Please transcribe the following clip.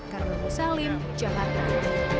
karna musalim jalan jalan